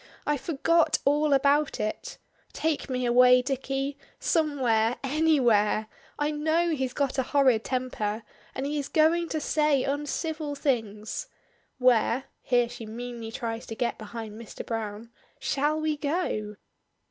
I forgot all about it. Take me away, Dicky; somewhere, anywhere; I know he's got a horrid temper, and he is going to say uncivil things. Where" (here she meanly tries to get behind Mr. Browne) "shall we go."